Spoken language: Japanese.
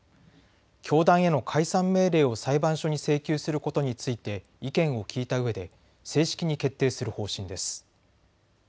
教団への解散命令を裁判所に請求することについて意見を聴いたうえで正式に決定する方針です。